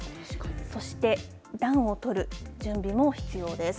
そして、暖をとる準備も必要です。